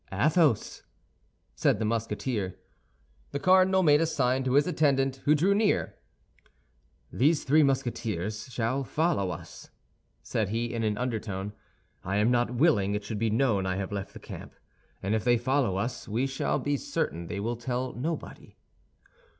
"Athos," said the Musketeer. The cardinal made a sign to his attendant, who drew near. "These three Musketeers shall follow us," said he, in an undertone. "I am not willing it should be known I have left the camp; and if they follow us we shall be certain they will tell nobody."